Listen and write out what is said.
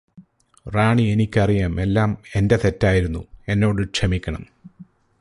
റാണി എനിക്കറിയാം എല്ലാം എന്റെ തെറ്റായിരുന്നു എന്നോട് ക്ഷമിക്കണം